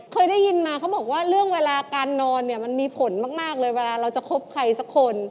เคยได้ยินมาเขาบอกว่าเรื่องเวลาการนอนเนี่ยมันมีผลมากเลยเวลาเราจะคบใครสักคน